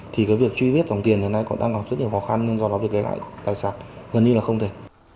thì cái việc truy viết dòng tiền đến nay còn đang gặp rất nhiều khó khăn nên do đó việc để lại tài sản gần như là không thể